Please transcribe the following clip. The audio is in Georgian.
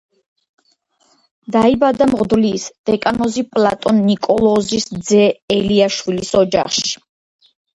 დაიბადა მღვდლის, დეკანოზი პლატონ ნიკოლოზის ძე ელიაშვილის ოჯახში.